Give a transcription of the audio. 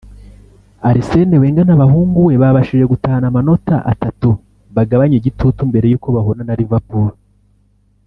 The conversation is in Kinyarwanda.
Arsene Wenger n'abahungu we babashije gutahana amanota atatu bagabanye igitutu mbere y'uko bahura na Liverpool